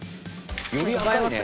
より赤いね。